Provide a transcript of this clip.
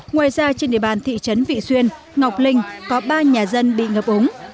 ngoài ra trên địa bàn thị trấn vị xuyên ngọc linh có ba nhà dân bị ngập ống